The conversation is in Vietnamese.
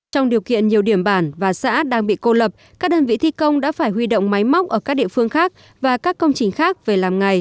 trong điều kiện nhiều điểm bản và xã đang bị cô lập các đơn vị thi công đã phải huy động máy móc ở các địa phương khác và các công trình khác về làm ngày